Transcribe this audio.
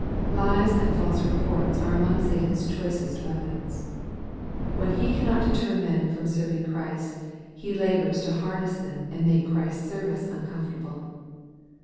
Lies and false reports are among Satan's choicest weapons. When he cannot deter men from serv ing Christ, he labors to harass them and make Christ's service uncomfortable.